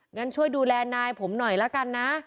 งั้นช่วยดูแลนายผมหน่อยละกันนะ